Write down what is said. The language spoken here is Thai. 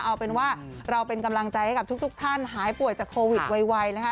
เอาเป็นว่าเราเป็นกำลังใจให้กับทุกท่านหายป่วยจากโควิดไวนะคะ